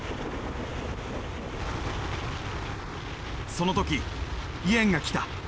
その時イエンが来た！